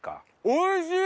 おいしい！